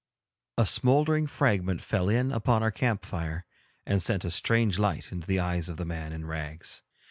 A smouldering fragment fell in upon our camp fire and sent a strange light into the eyes of the man in rags.